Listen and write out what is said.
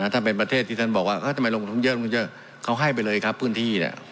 ถ้าเป็นประเทศที่ท่านบอกว่าเขาจะมาลงทุนเยอะเขาให้ไปเลยครับพื้นที่